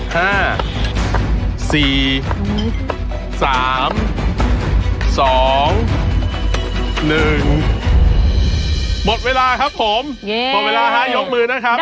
หมดเวลาครับผมหมดเวลา๕ยกมือนะครับ